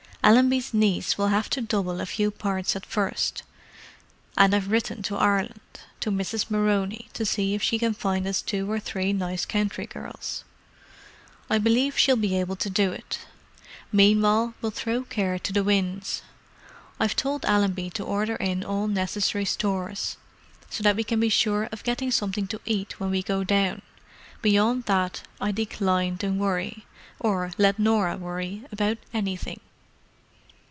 Allenby's niece will have to double a few parts at first, and I've written to Ireland—to Mrs. Moroney—to see if she can find us two or three nice country girls. I believe she'll be able to do it. Meanwhile we'll throw care to the winds. I've told Allenby to order in all necessary stores, so that we can be sure of getting something to eat when we go down; beyond that, I decline to worry, or let Norah worry, about anything."